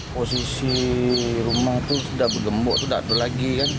posisi rumah itu sudah bergembuk itu tidak ada lagi kan